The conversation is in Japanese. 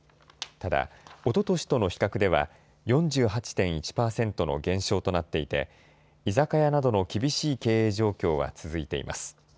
ただ、おととしとの比較では４８．１％の減少となっていて居酒屋などの厳しい経営状況は続いています。